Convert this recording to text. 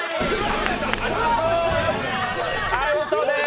アウトです。